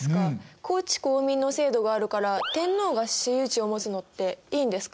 公地公民の制度があるから天皇が私有地を持つのっていいんですか？